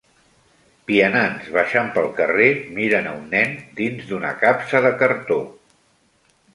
Vianants baixant pel carrer miren a un nen dins d'una capsa de cartó